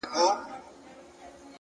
هره ورځ د ښه کېدو بلنه ده,